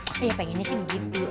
eh eh ya pengennya sih begitu